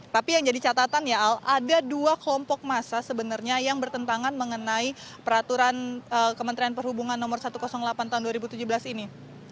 tapi yang jadi catatan ya al ada dua kelompok massa sebenarnya yang bertentangan mengenai peraturan kementerian perhubungan no satu ratus delapan tahun dua ribu tujuh belas ini